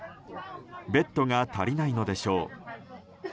ベッドが足りないのでしょう。